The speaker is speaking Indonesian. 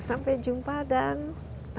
sampai jumpa dan bye bye